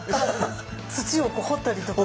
土を掘ったりとか。